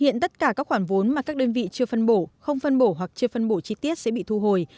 hiện tất cả các khoản vốn mà các đơn vị chưa phân bổ không phân bổ hoặc chưa phân bổ chi tiết sẽ bị thu hồi